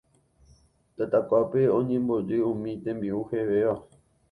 Tatakuápe oñembojy umi tembi'u hevéva